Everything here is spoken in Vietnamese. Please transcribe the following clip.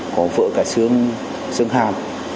có vợ cả xương hàm